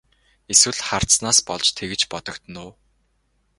Эсвэл хардсанаас болж тэгж бодогдоно уу?